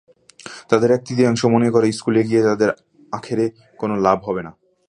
তাদের এক-তৃতীয়াংশ মনে করে, স্কুলে গিয়ে তাদের আখেরে কোনো লাভ হবে না।